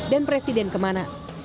dan presiden kemana